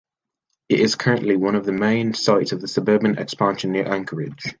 It is currently one of the main sites of suburban expansion near Anchorage.